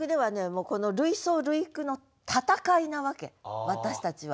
もうこの類想類句の戦いなわけ私たちは。